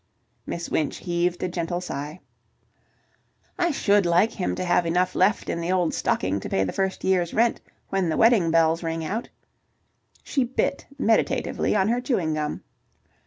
Miss Winch heaved a gentle sigh. "I should like him to have enough left in the old stocking to pay the first year's rent when the wedding bells ring out." She bit meditatively on her chewing gum.